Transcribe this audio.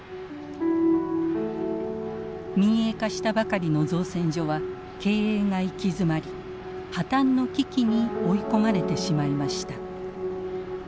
民営化したばかりの造船所は経営が行き詰まり破綻の危機に追い込まれてしまいました。